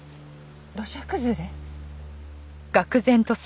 土砂崩れ？